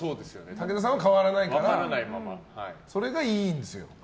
武田さんは変わらないからそれがいいんですよ。